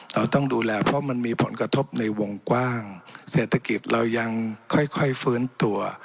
เราต้องดูแลเพราะมันมีผลกระทบในวงกว้างเศรษฐกิจเรายังค่อยฟื้นตัว